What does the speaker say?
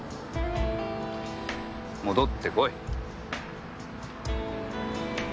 戻ってこい。